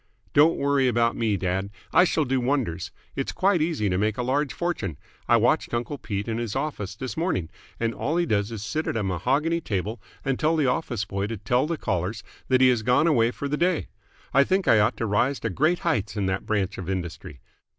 "Don't worry about me, dad. I shall do wonders. It's quite easy to make a large fortune. I watched uncle Pete in his office this morning, and all he does is sit at a mahogany table and tell the office boy to tell callers that he has gone away for the day. I think I ought to rise to great heights in that branch of industry.